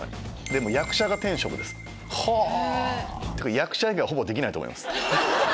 っていうか役者以外はほぼできないと思います。